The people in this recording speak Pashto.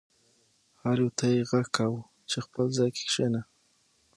هر یو ته یې غږ کاوه چې خپل ځای کې کښېنه.